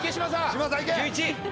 嶋佐いけ！